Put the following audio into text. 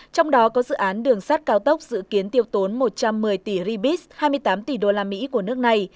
trong đó có dự án đường sắt cao tốc dự kiến tiêu tốn một trăm một mươi tỷ ribis hai mươi tám tỷ usd của nước này